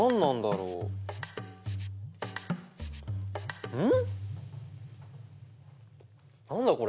うん。